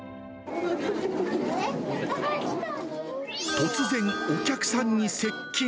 突然、お客さんに接近。